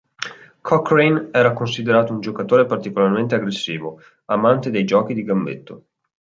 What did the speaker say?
Cochrane era considerato un giocatore particolarmente aggressivo, amante dei giochi di gambetto.